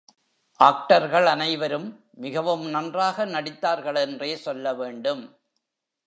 ஆக்டர்களனைவரும் மிகவும் நன்றாக நடித்தார்களென்றே சொல்ல வேண்டும்.